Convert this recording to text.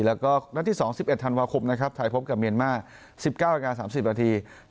แล้วก็นัดที่๒๑ธันวาคมนะครับไทยพบกับเมียนมาร์๑๙นาที๓๐นาที